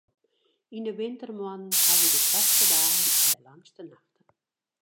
Yn 'e wintermoannen hawwe wy de koartste dagen en de langste nachten.